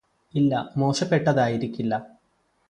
ഇല്ല മോശപ്പെട്ടതായിരിക്കില്ല